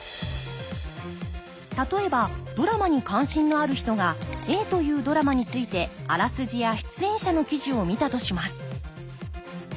例えばドラマに関心のある人がＡというドラマについてあらすじや出演者の記事を見たとします。